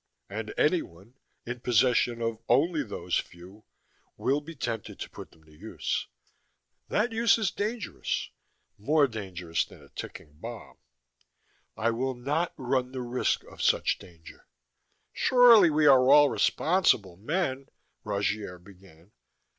And anyone, in possession of only those few, will be tempted to put them to use. That use is dangerous, more dangerous than a ticking bomb. I will not run the risk of such danger." "Surely we are all responsible men " Rogier began.